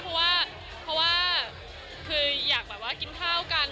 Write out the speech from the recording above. เพราะว่าคืออยากแบบว่ากินข้าวกัน